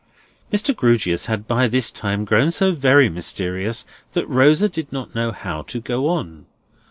Mr. Grewgious had by this time grown so very mysterious, that Rosa did not know how to go on.